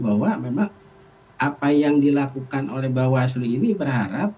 bahwa memang apa yang dilakukan oleh bawaslu ini berharap